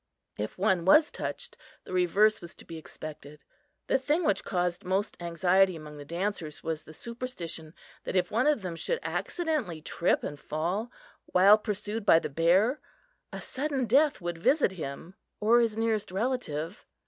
If one was touched, the reverse was to be expected. The thing which caused most anxiety among the dancers was the superstition that if one of them should accidentally trip and fall while pursued by the bear, a sudden death would visit him or his nearest relative.